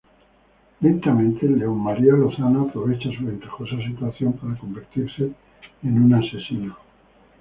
Lentamente, León María Lozano, aprovecha su ventajosa situación para convertirse en un asesino.